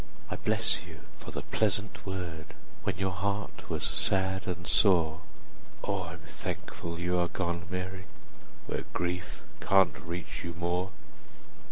I bless you for the pleasant word, 45 When your heart was sad and sore— O, I'm thankful you are gone, Mary, Where grief can't reach you more!